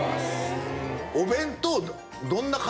お弁当。